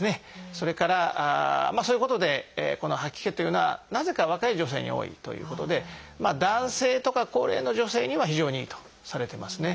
それからまあそういうことでこの吐き気というのはなぜか若い女性に多いということで男性とか高齢の女性には非常にいいとされてますね。